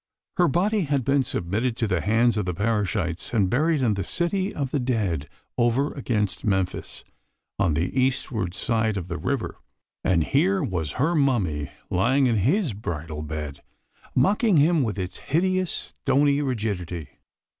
Her body had been submitted to the hands of the paraschites and buried in the City of the Dead over against Memphis, on the eastward side of the river. And here was her mummy lying in his bridal bed, mocking him with its hideous, stony rigidity.